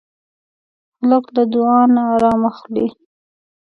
هلک له دعا نه ارام اخلي.